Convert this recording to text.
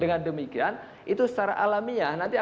dengan demikian itu secara alamiah nanti akan terjadi apa